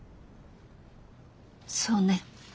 そうね。